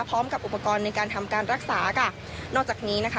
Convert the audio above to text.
พร้อมกับอุปกรณ์ในการทำการรักษาค่ะนอกจากนี้นะคะ